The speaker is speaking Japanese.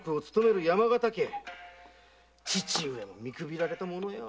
父上も見くびられたものよ！